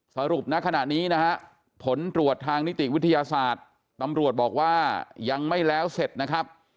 ณขณะนี้นะฮะผลตรวจทางนิติวิทยาศาสตร์ตำรวจบอกว่ายังไม่แล้วเสร็จนะครับ